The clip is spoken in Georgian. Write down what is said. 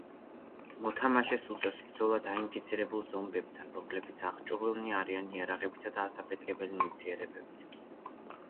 მოთამაშეს უწევს ბრძოლა დაინფიცირებულ ზომბებთან, რომლებიც აღჭურვილნი არიან იარაღებითა და ასაფეთქებელი ნივთიერებებით.